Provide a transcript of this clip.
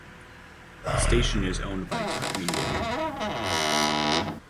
The station is owned by Tutt Media Group.